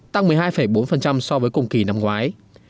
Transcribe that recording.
tăng một mươi hai bốn so với cùng kỳ năm ngoái